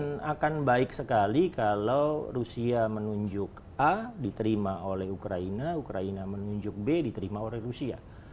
akan baik sekali kalau rusia menunjuk a diterima oleh ukraina ukraina menunjuk b diterima oleh rusia